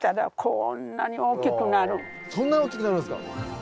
そんなに大きくなるんですか？